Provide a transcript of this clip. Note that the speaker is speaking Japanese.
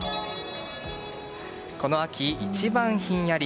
この秋一番ひんやり。